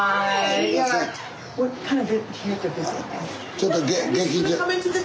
ちょっと劇場。